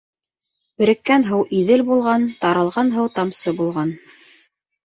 Береккән һыу Иҙел булған, таралған һыу тамсы булған.